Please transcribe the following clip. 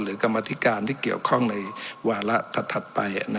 กรรมธิการที่เกี่ยวข้องในวาระถัดไป